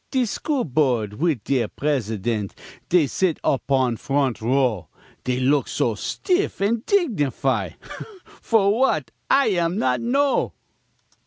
De School Board wid dere presi_dent_, Dey sit opon front row, Dey look so stiff an' dignify, For w'at I am not know.